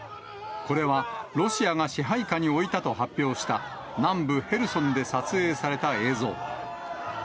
これはロシアが支配下に置いたと発表した、南部ヘルソンで撮影された映像。